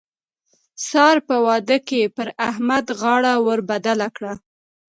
سار په واده کې پر احمد غاړه ور بدله کړه.